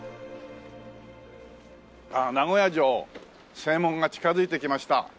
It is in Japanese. ああ名古屋城正門が近づいてきました。